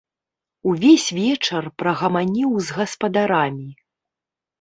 Увесь вечар прагаманіў з гаспадарамі.